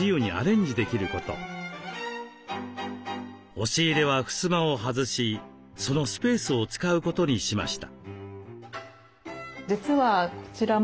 押し入れはふすまを外しそのスペースを使うことにしました。